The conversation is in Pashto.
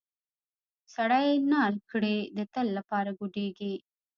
سړی نال کړې د تل لپاره ګوډیږي.